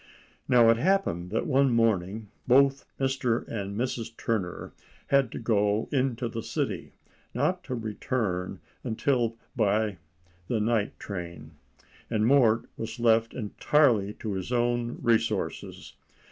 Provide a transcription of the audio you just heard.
Now it happened that one morning both Mr. and Mrs. Turner had to go into the city, not to return until by the night train, and Mort was left entirely to his own resources.